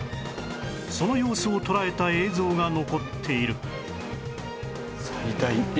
その様子を捉えた映像が残っている